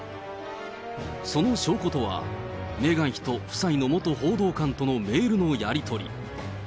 その証拠とは、メーガン妃と夫妻の元報道官とのメールのやり取り。